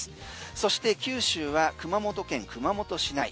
そして九州は熊本県熊本市内。